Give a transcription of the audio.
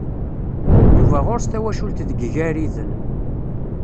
Yuba ɣur-s tawacult deg Igariden.